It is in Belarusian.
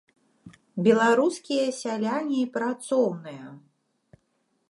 Беларускія сяляне і працоўныя!